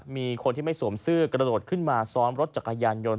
มีคนที่ไม่สวมเสื้อกระโดดขึ้นมาซ้อมรถจักรยานยนต